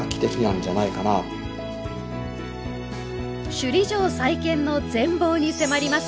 首里城再建の全貌に迫ります！